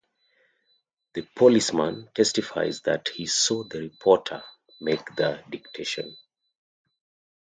The policeman testifies that he saw the reporter make the dictation.